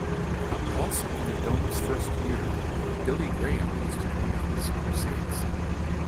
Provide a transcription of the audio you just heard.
Also in the Dome's first year, Billy Graham hosted one of his crusades.